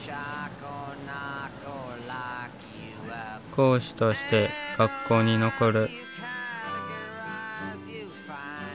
講師として学校に残る。